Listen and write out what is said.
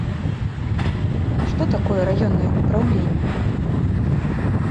Што такое раённае ўпраўленне?